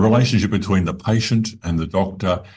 relasi antara pasien dan dokter